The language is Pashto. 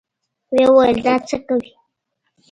ويې ويل دا څه کوې.